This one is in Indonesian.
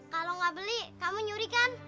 kalau nggak beli kamu nyuri kan